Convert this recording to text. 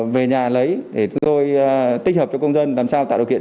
về nhà lấy để chúng tôi tích hợp cho công dân làm sao tạo điều kiện